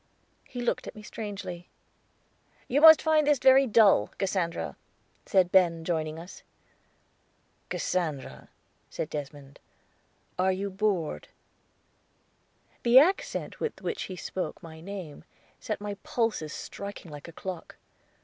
He looked at me strangely. "You must find this very dull, Cassandra," said Ben, joining us. "Cassandra," said Desmond, "are you bored?" The accent with which he spoke my name set my pulses striking like a clock.